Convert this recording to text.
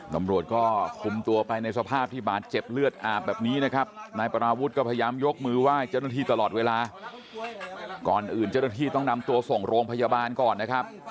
ตำรวจก็คุมตัวไปในสภาพที่บาดเจ็บเลือดอาบแบบนี้นะครับนายปราวุฒิก็พยายามยกมือไหว้เจ้าหน้าที่ตลอดเวลาก่อนอื่นเจ้าหน้าที่ต้องนำตัวส่งโรงพยาบาลก่อนนะครับ